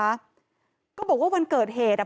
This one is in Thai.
บอกว่ามันเกิดเหตุว่าผู้ชายคนนี้